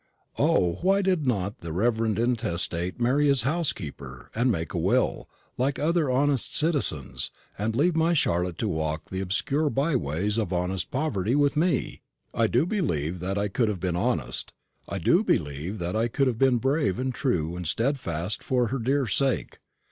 O, why did not the reverend intestate marry his housekeeper, and make a will, like other honest citizens, and leave my Charlotte to walk the obscure byways of honest poverty with me? I do believe that I could have been honest; I do believe that I could have been brave and true and steadfast for her dear sake.